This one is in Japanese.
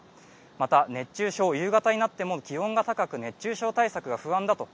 また、夕方になっても気温が高く熱中症対策が不安だと。